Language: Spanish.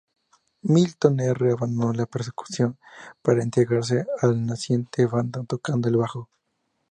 Milton R. abandonó la percusión para integrarse a la naciente banda tocando el bajo.